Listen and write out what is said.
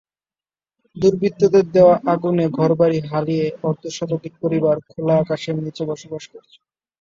দুর্বৃত্তদের দেওয়া আগুনে ঘরবাড়ি হারিয়ে অর্ধশতাধিক পরিবার খোলা আকাশের নিচে বসবাস করছে।